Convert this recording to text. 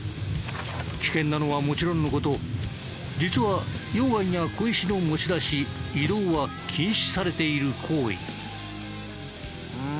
危険なのはもちろんの事実は溶岩や小石の持ち出し移動は禁止されている行為。